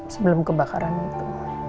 sebelum kebakaran itu